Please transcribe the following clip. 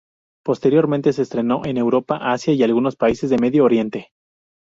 Posteriormente, se estrenó en Europa, Asia y algunos países de Medio Oriente.